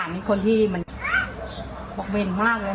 มันเหมือน